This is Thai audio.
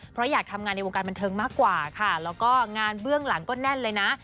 เพราะอยากทำงานในวงการบันเทิงมากกว่าค่ะแล้วก็งานเบื้องหลังก็แน่นเลยนะ